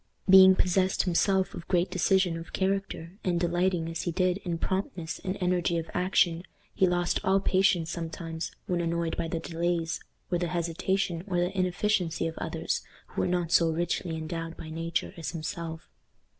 Being possessed himself of great decision of character, and delighting, as he did, in promptness and energy of action, he lost all patience sometimes, when annoyed by the delays, or the hesitation, or the inefficiency of others, who were not so richly endowed by nature as himself.